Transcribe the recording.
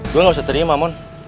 gue gak usah ternyata ma mon